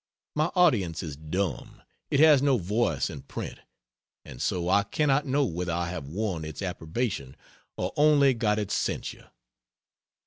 My audience is dumb, it has no voice in print, and so I cannot know whether I have won its approbation or only got its censure.